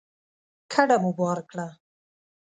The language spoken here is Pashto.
کډه مو بار کړه